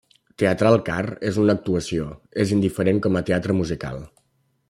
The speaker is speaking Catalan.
Teatral car és una actuació, és indiferent com a teatre musical.